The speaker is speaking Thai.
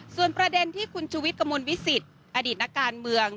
ส่วนประเด็นที่คุณชูวิทย์กระมวลวิสิตอดีตนักการเมือง